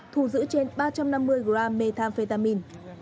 thù giữ trên ba trăm năm mươi gram methamphetamine